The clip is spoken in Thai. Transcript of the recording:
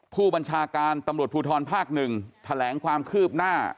ผู้บัญชาการตำรวจภูทรภาค๑แถลงความคืบหน้า